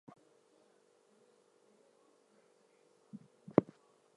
Salt and alum were also quarried at Kalabagh.